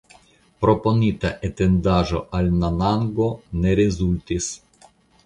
Proponita etendaĵo al Nanango ne rezultis.